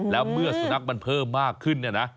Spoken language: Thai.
แล้วเมื่อสูนักมันเพิ่มมากขึ้น